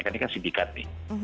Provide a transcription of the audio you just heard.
karena ini kan sindikat nih